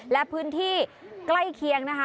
และพื้นที่ใกล้เคียงนะคะ